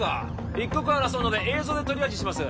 一刻を争うので映像でトリアージします